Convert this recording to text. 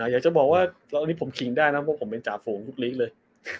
อยากจะบอกว่าอันนี้ผมขิงได้นะเพราะผมเป็นจ่าฝูงทุกลีกเลย